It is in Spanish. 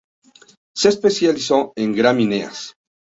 Se especializó en gramíneas.